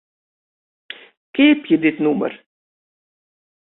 Keapje dit nûmer.